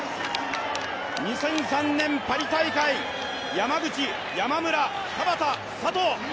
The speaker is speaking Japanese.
２００３年パリ大会、山口、山村、田端、佐藤。